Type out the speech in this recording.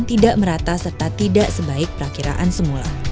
tidak merata serta tidak sebaik perakiraan semula